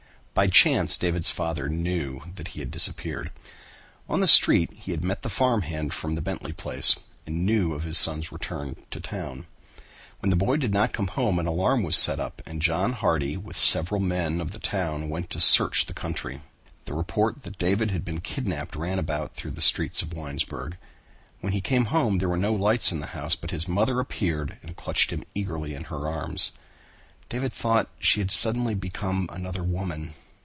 By chance David's father knew that he had disappeared. On the street he had met the farm hand from the Bentley place and knew of his son's return to town. When the boy did not come home an alarm was set up and John Hardy with several men of the town went to search the country. The report that David had been kidnapped ran about through the streets of Winesburg. When he came home there were no lights in the house, but his mother appeared and clutched him eagerly in her arms. David thought she had suddenly become another woman.